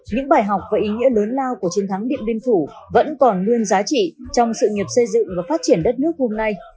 những bài học và ý nghĩa lớn lao của chiến thắng điện biên phủ vẫn còn nguyên giá trị trong sự nghiệp xây dựng và phát triển đất nước hôm nay